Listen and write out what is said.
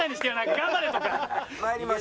頑張れ！